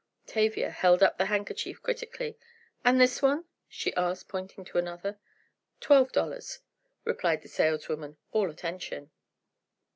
Tavia held up the handkerchief critically: "And this one?" she asked, pointing to another. "Twelve dollars," replied the saleswoman, all attention.